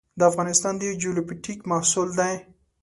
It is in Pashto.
د افغانستان د جیوپولیټیک محصول ده.